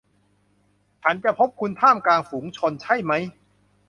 ฉันจะพบคุณท่ามกลางฝูงชนใช่มั้ย